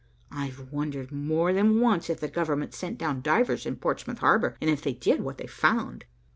I've wondered more than once if the government sent down divers in Portsmouth harbor and if they did, what they found."